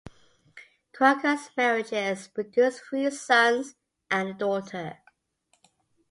Groucutt's marriages produced three sons and a daughter.